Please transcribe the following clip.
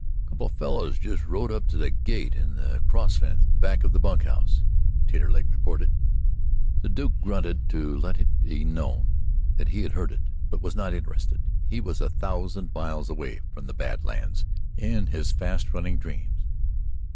"Couple of fellers just rode up to the gate in the cross fence back of the bunkhouse," Taterleg reported. The Duke grunted, to let it be known that he heard, but was not interested. He was a thousand miles away from the Bad Lands in his fast running dreams.